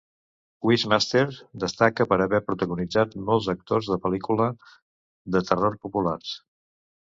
"Wishmaster" destaca per haver protagonitzat molts actors de pel·lícules de terror populars.